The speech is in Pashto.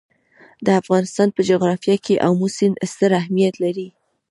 د افغانستان په جغرافیه کې آمو سیند ستر اهمیت لري.